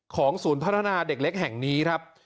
ศูนย์พัฒนาเด็กเล็กแห่งนี้ครับ